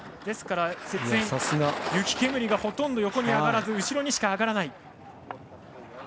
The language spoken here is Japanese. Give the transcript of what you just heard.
雪煙がほとんど横に上がらず後ろにしか上がらない。